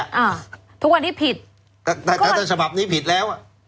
อ่าทุกวันนี้ผิดแต่ถ้าถ้าฉบับนี้ผิดแล้วอ่ะ